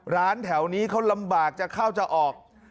ร้านแถวนี้เขาลำบากจะเข้าจะออก